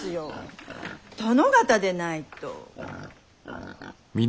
殿方でないと。